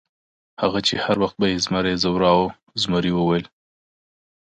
هغه چې هر وخت به یې زمري ځوراوه، زمري وویل.